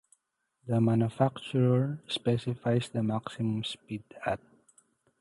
The manufacturer specifies the maximum speed at